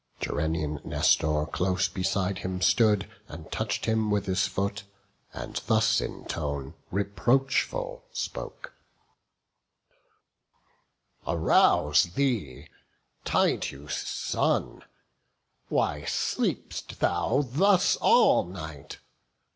Gerenian Nestor close behind him stood, And touched him with his foot, and thus in tone Reproachful spoke: "Arouse thee, Tydeus' son! Why sleep'st thou thus all night?